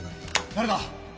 誰だ！？